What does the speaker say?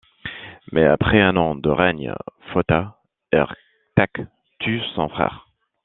Mais après un an de règne Fothad Airgthech tue son frère.